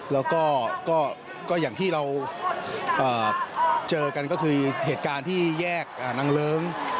แล้วก็อย่างที่เราเจอกันก็คือเหตุการณ์ที่แยกนางเลิ้ง